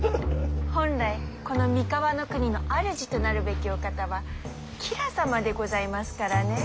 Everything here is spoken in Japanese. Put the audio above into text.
本来この三河国の主となるべきお方は吉良様でございますからねえ。